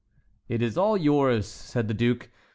"It is all yours," said the duke.